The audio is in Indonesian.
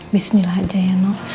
bismillah aja ya noh